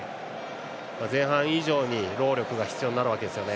前半以上に労力が必要になるわけですよね。